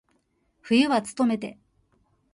冬はつとめて。